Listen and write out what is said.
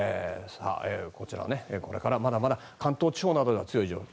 こちら、これからまだまだ関東地方などでは強いようで。